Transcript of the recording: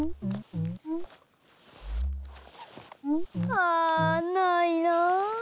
あないな。